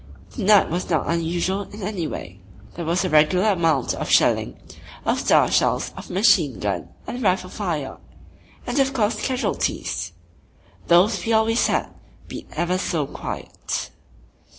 The night was not unusual in any way. There was the regular amount of shelling, of star shells, of machine gun and rifle fire, and of course, casualties. Those we always had, be it ever so quiet.